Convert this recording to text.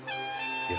いや。